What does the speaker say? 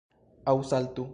Aŭ saltu